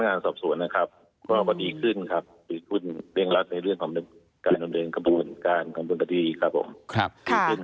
การความยุ่งที่รู้ตลกลง